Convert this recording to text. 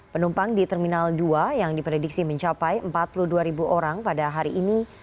penumpang di terminal dua yang diprediksi mencapai empat puluh dua orang pada hari ini